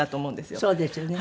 そうですよね。